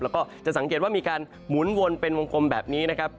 แล้วก็จะสังเกตว่ามีการหมุนวนเป็นวงกลมแบบนี้นะครับ